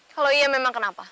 kalau iya memang kenapa